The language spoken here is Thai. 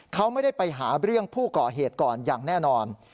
เขาไม่ได้ไปหาเรื่องผู้ก่อเหตุก่อนอย่างแน่นอน